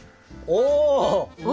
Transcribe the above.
お！